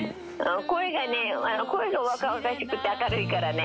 声がね、声が若々しくて明るいからね、